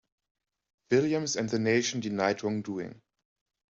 Williams and The Nation denied wrongdoing.